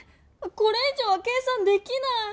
これい上は計算できない！